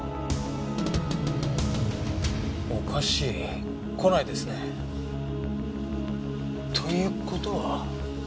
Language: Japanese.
おかしい来ないですね。という事は。